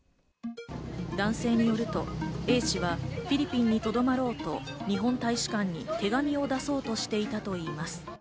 男性によるとＡ氏は、フィリピンに留まろうと日本大使館に手紙を出そうとしていたといいます。